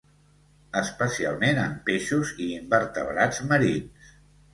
Especialment en peixos i invertebrats marins.